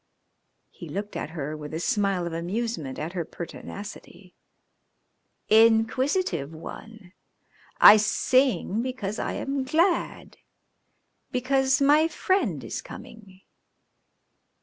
He looked at her with a smile of amusement at her pertinacity. "Inquisitive one! I sing because I am glad. Because my friend is coming."